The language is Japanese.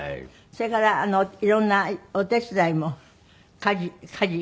それから色んなお手伝いも家事家事？